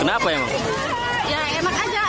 ya enak aja airnya dingin